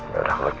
ya udah kalau gitu